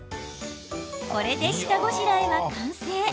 これで下ごしらえは完成。